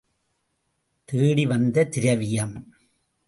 தேடி வந்த திரவியம்!